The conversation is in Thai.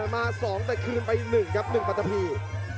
มาสองแต่คืนไปหนึ่งครับหนึ่งปัจจับี